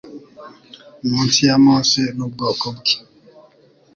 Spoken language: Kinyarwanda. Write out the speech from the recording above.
Munsi ya Mose n’ubwoko bwe